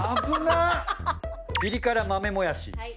ピリ辛豆もやし。